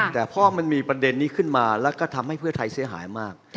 แต่พอมันมีประเด็นนี้ขึ้นมาแล้วก็ทำให้เพื่อไทยเสียหายมาก